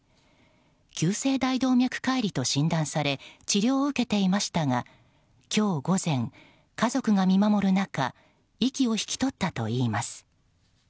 急性大動脈解離と診断され治療を受けていましたが今日午前、家族が見守る中息を引き取ったといいます。